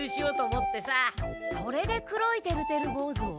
それで黒いてるてるぼうずを？